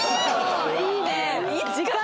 いいね。